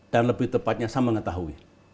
dan lebih tepatnya saya mengetahui